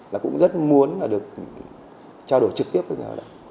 là cũng rất muốn được trao đổi trực tiếp với người